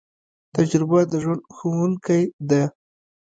تجربه د ژوند ښوونکی ده